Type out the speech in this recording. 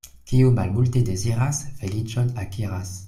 Kiu malmulte deziras, feliĉon akiras.